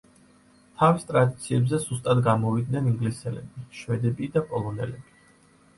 თავის ტრადიციებზე სუსტად გამოვიდნენ ინგლისელები, შვედები და პოლონელები.